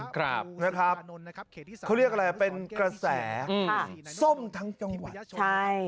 ครับเขาเรียกอะไรเป็นกระแสอืมทั้งทั้งจังหวัดใช่